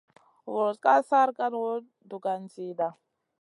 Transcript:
Vurutn ka sarkanu dugan zida.